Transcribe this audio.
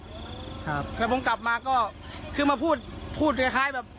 ครับแล้วผมกลับมาก็คือมาพูดพูดคล้ายคล้ายแบบ